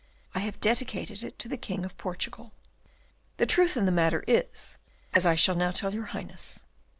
I have dedicated it to the King of Portugal. The truth in the matter is as I shall now tell your Highness.